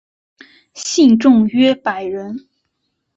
信众约百人。